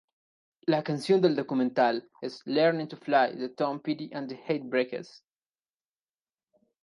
La canción del documental, es "Learning to Fly" de Tom Petty and the Heartbreakers.